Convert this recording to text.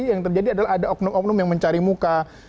yang terjadi adalah ada oknum oknum yang mencari muka